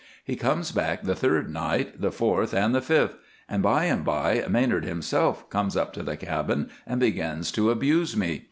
He comes back the third night, the fourth, and the fifth, and by and by Manard himself comes up to the cabin and begins to abuse me.